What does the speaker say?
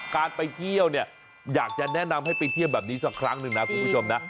การไปเที่ยวเนี่ยอยากจะแนะนำให้ไปเที่ยวแบบนี้สักครั้งหนึ่งนะคุณผู้ชมนะ